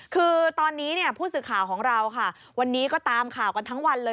คือตอนนี้เนี่ยผู้สื่อข่าวของเราค่ะวันนี้ก็ตามข่าวกันทั้งวันเลย